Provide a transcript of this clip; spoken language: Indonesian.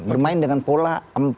bermain dengan pola empat satu empat satu